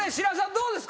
どうですか？